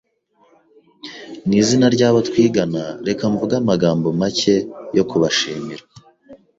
Mw'izina ry'abo twigana, reka mvuge amagambo make yo kubashimira.